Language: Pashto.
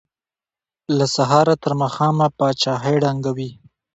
له سهاره تر ماښامه پاچاهۍ ړنګوي.